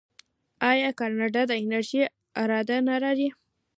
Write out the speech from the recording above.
آیا کاناډا د انرژۍ اداره نلري؟